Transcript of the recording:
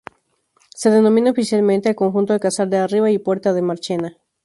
Se denomina oficialmente al conjunto Alcázar de Arriba y Puerta de Marchena.